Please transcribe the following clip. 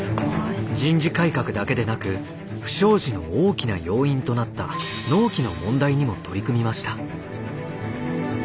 人事改革だけでなく不祥事の大きな要因となった納期の問題にも取り組みました。